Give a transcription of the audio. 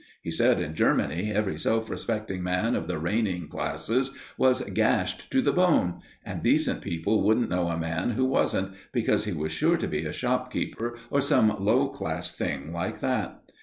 He said in Germany every self respecting man of the reigning classes was gashed to the bone; and decent people wouldn't know a man who wasn't, because he was sure to be a shopkeeper or some low class thing like that.